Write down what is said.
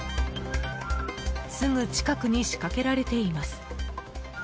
すぐ近くに仕掛けられています。